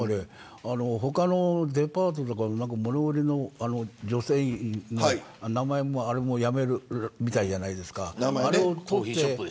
他のデパートとか物売りの女性店員の名前もやめるみたいじゃないですか。